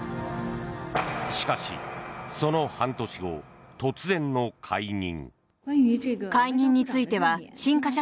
しかし、その半年後突然の解任。